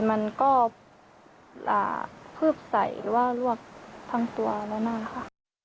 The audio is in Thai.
มันก็พลึกใส่ว่ารวบทั้งตัวแล้วหน้าค่ะ